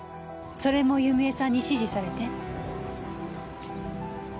それも弓枝さんに指示されて？